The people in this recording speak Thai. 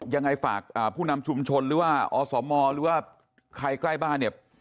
ยังไงฝากผู้นำชุมชนหรือว่าอสมหรือว่าใครใกล้บ้านเนี่ย